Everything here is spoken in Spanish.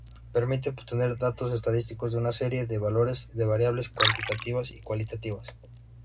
Permite obtener datos estadísticos de una serie de valores de variables cuantitativas y cualitativas.